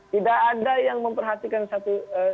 tidak ada yang memperhatikan satu